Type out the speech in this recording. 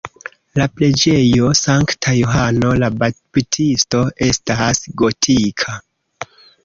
La preĝejo sankta Johano la Baptisto estas gotika.